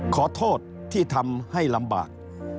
ขอโทษที่ทำให้ลำบาก